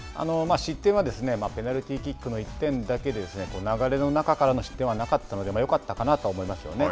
失点はペナルティーキックの１点だけで流れの中からの失点はなかったのでよかったかなと思いますよね。